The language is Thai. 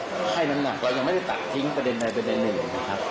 เพราะฉะนั้นเรายังไม่ได้ตัดทิ้งประเด็นใดหนึ่งนะครับ